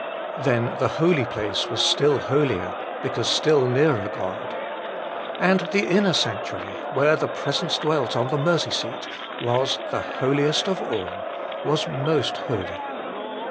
Then the holy place was still holier, because still nearer God. And the inner sanctuary, where the Presence dwelt on the mercy seat, was the Holiest of All, was most holy.